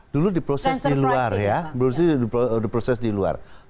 dulu diproses di luar ya